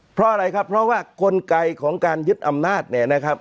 เพราะอะไรครับเพราะว่ากลไกของการยึดอำนาจเนี่ยนะครับ